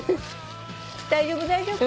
大丈夫大丈夫。